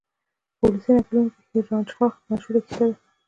په ولسي نکلونو کې هیر رانجھا مشهوره کیسه ده.